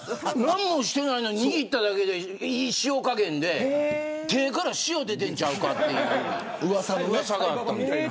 何もしてないのに握っただけでいい塩加減で手から塩出てるんちゃうかといううわさが。